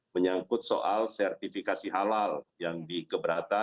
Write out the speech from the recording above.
menyangkut soal sertifikasi halal yang dikeberatan oleh dari majelis ulama yang ada di dalamnya